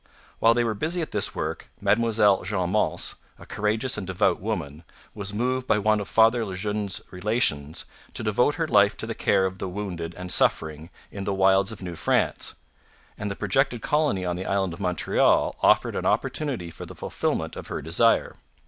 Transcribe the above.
While they were busy at this work, Mademoiselle Jeanne Mance, a courageous and devout woman, was moved by one of Father Le Jeune's Relations to devote her life to the care of the wounded and suffering in the wilds of New France; and the projected colony on the island of Montreal offered an opportunity for the fulfilment of her desire.